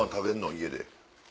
家で。